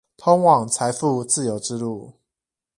通往財富自由之路